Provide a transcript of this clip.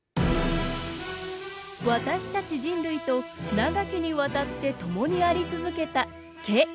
私たち人類と長きにわたってともにあり続けた、毛。